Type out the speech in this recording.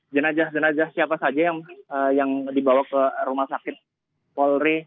jenazah jenazah siapa saja yang dibawa ke rumah sakit polri